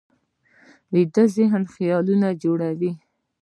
ویده ذهن خیالونه جوړوي